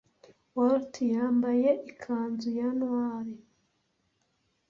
waltz yambaye ikanzu ya moire